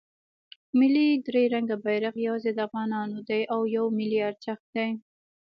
ملی درې رنګه بیرغ یواځې د افغانانو دی او یو ملی ارزښت دی.